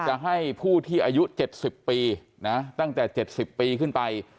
จะให้ผู้ที่อายุเจ็ดสิบปีนะตั้งแต่เจ็ดสิบปีขึ้นไป